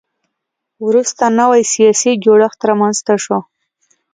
وروسته نوی سیاسي جوړښت رامنځته شو